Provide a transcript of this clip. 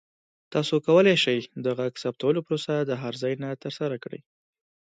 تاسو کولی شئ د غږ ثبتولو پروسه د هر ځای نه ترسره کړئ.